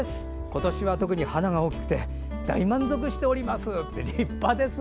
今年は特に花が大きくて大満足しております。